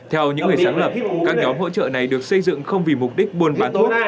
theo những người sáng lập các nhóm hỗ trợ này được xây dựng không vì mục đích buôn bán thuốc